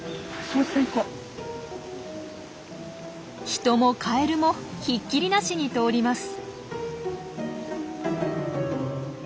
人もカエルもひっきりなしに通ります。